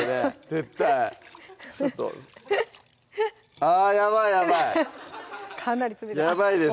絶対ちょっとあやばいやばいかなり冷たいやばいです